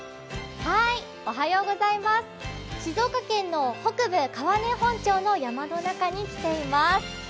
静岡県の北部、川根本町の山の中に来ています。